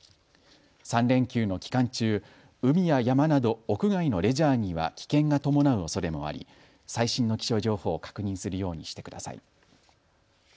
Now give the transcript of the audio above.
３連休の期間中、海や山など屋外のレジャーには危険が伴うおそれもあり最新の気象情報を確認するようにしてください。